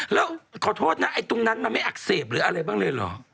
แล้วขอโทษนะไอ้ตรงนั้นมันไม่อักเสบหรืออะไรบ้างเลยเหรอ